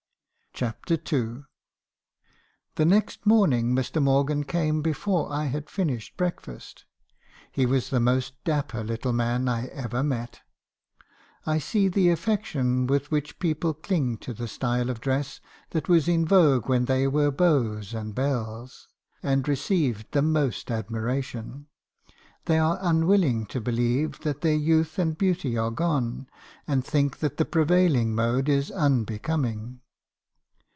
CHAPTER n. "The next morning Mr. Morgan came before I had finished breakfast. He was the most dapper little man I ever met. I see the affection with which people cling to the style of dress that was in vogue when they were beaux and belles, and received the most admiration. They are unwilling to believe that their youth and beauty are gone , and think that the prevailing mode is unbecoming.